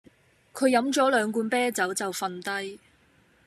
佢飲咗兩罐啤酒就瞓低